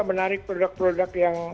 menarik produk produk yang